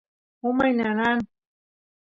umay nanan